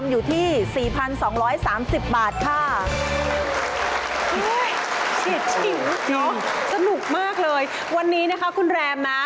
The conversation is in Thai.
อยู่ที่เท่าไหร่ครับ